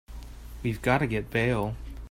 We've got to get bail.